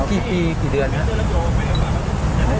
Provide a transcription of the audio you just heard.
กี่ปีกี่เดือนครับ